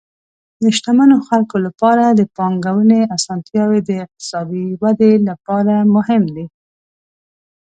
د شتمنو خلکو لپاره د پانګونې اسانتیاوې د اقتصادي ودې لپاره مهم دي.